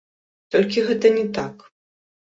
Толькі гэта не так.